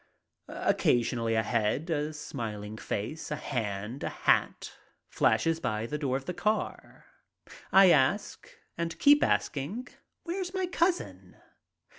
Occasionally a head, a smiling face, a hand, a hat flashes by the door of the car. I ask and keep asking, "Where's my cousin?"